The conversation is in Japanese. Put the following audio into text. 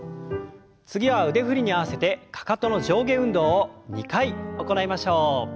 次は腕振りに合わせてかかとの上下運動を２回行いましょう。